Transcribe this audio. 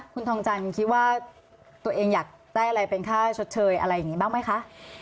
คุณทองจันทร์คิดว่าตัวเองอยากได้อะไรเป็นค่าชดเชยอะไรอย่างนี้บ้างไหมคะ